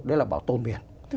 đó là bảo tồn biển